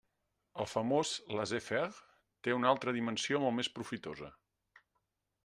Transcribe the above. El famós laissez faire té una altra dimensió molt més profitosa.